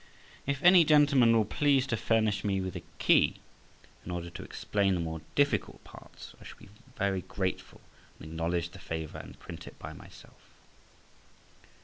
If any gentleman will please to furnish me with a key, in order to explain the more difficult parts, I shall very gratefully acknowledge the favour, and print it by itself.